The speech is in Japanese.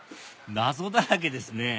謎だらけですね